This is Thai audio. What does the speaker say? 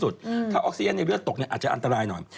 ถ้าออกซีเย็นในเลือดตกอาจจะอันตรายหน่อย